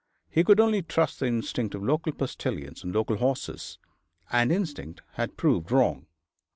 He could only trust to the instinct of local postilions and local horses; and instinct had proved wrong.